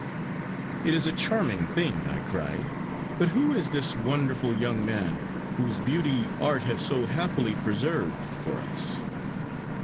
'It is a charming thing,' I cried, 'but who is this wonderful young man, whose beauty Art has so happily preserved for us?